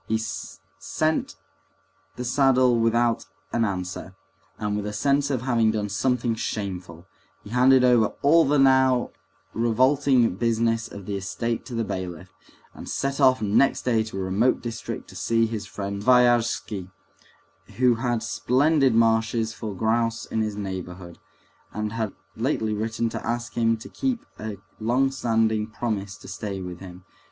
He sent the saddle without an answer, and with a sense of having done something shameful; he handed over all the now revolting business of the estate to the bailiff, and set off next day to a remote district to see his friend Sviazhsky, who had splendid marshes for grouse in his neighborhood, and had lately written to ask him to keep a long standing promise to stay with him.